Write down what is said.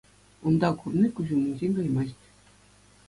Унта курни куҫ умӗнчен каймасть.